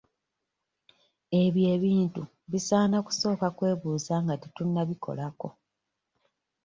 Ebyo ebintu bisaana kusooka kwebuuza nga tetunnabikolako.